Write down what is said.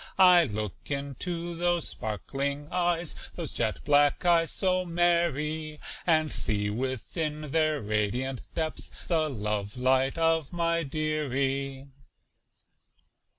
I look into those sparkling eyes, Those jet black eyes so merry, And see within their radiant depths The love light of my "dearie."